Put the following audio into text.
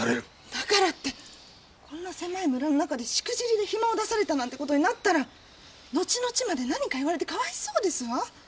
だからってこんな狭い村の中でしくじりで暇を出されたなんてことになったら後々まで何か言われてかわいそうですわ。